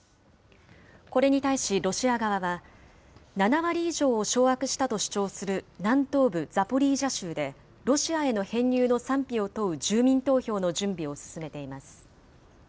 これに対しロシア側は、７割以上を掌握したと主張する南東部ザポリージャ州でロシアへの編入の賛否を問う住民投票の準備を進めています。